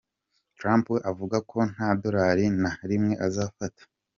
Trump avuga ko nta dorali na rimwe azafata.